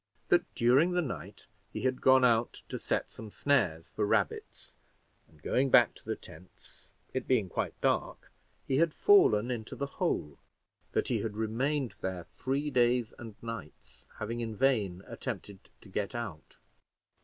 That during the night he had gone out to set some snares for rabbits, and going back to the tents, it being quite dark, he had fallen into the hole; that he had remained there three days and nights, having in vain attempted to get out.